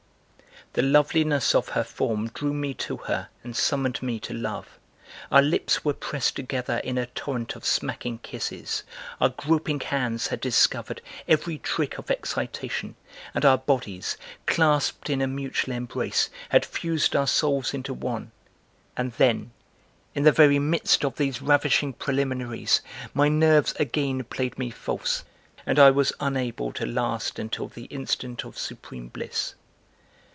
The loveliness of her form drew me to her and summoned me to love. Our lips were pressed together in a torrent of smacking kisses, our groping hands had discovered every trick of excitation, and our bodies, clasped in a mutual embrace, had fused our souls into one, (and then, in the very midst of these ravishing preliminaries my nerves again played me false and I was unable to last until the instant of supreme bliss.)